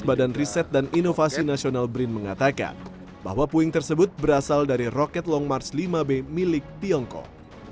badan riset dan inovasi nasional brin mengatakan bahwa puing tersebut berasal dari roket long march lima b milik tiongkok